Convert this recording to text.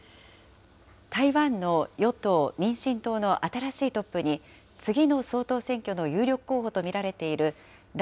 台湾の与党・民進党の新しいトップに、次の総統選挙の有力候補と見られている頼